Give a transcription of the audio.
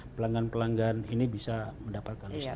pelanggan pelanggan ini bisa mendapatkan listrik